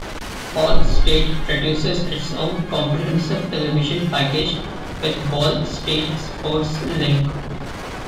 Ball State produces its own comprehensive television package with Ball State Sports Link.